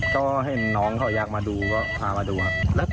ก็เห็นน้องเขาอยากมาดูก็พามาดูครับ